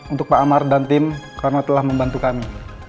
untuk pak amar dan tim karena telah membantu kami